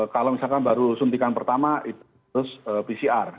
kalau misalkan baru disuntik pertama itu harus pcr